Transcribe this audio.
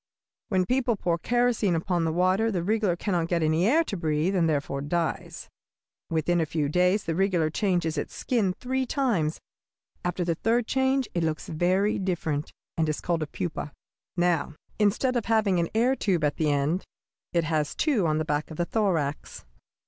"When people pour kerosene upon the water the wriggler cannot get any air to breathe, and therefore dies. Within a few days the wriggler changes its skin three times; after the third change it looks very different, and is called a pupa. Now, instead of having an air tube at the end, it has two on the back of the thorax.